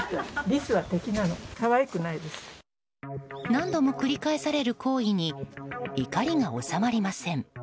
何度も繰り返される行為に怒りが収まりません。